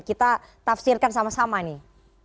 kita tafsirkan sama sama nih